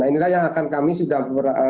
ini yang akan kami sudah